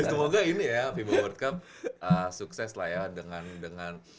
semoga ini ya fiba world cup sukses lah ya dengan